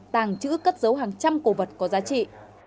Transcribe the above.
tàng trữ cất dấu hàng trăm cổ vật có giá trị